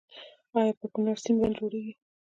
آیا پر کنړ سیند بند جوړیږي؟